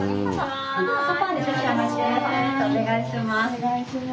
お願いします。